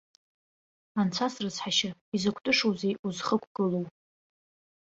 Анцәа срыцҳашьа, изакә тышоузеи узхықәгылоу?!